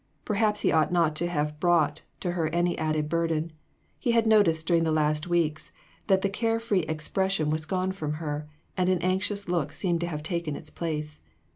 Perhaps he ought not to have brought to her any added burden ; he had noticed during the last weeks that the care free expres sion was gone from her, and an anxious look seemed to have taken its place.